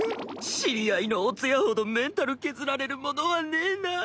知り合いのお通夜ほどメンタル削られるものはねぇな。